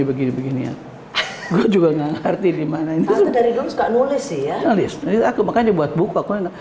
begini begini ya juga nggak ngerti dimana ini juga nulis ya aku makanya buat buku aku enak